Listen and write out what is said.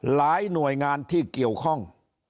หลายหน่วยงานที่เกี่ยวข้อง